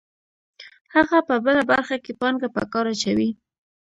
هغه په بله برخه کې پانګه په کار اچوي